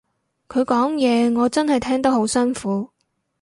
佢講嘢我真係聽得好辛苦